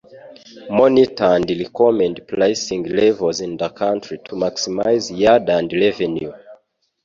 Monitor and recommend pricing levels in the country to maximize yield and revenue ;